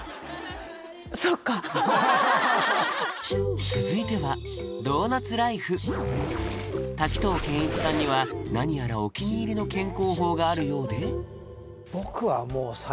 そっか続いては滝藤賢一さんには何やらお気に入りの健康法があるようで僕はもううわ